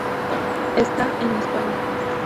Está en España.